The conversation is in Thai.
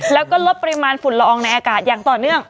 แล้วก็ลดปริมาณฝุ่นละอองในอากาศอย่างต่อเนื่อง